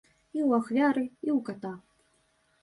І ў ахвяры, і ў ката.